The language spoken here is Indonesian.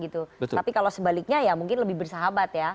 tapi kalau sebaliknya ya mungkin lebih bersahabat ya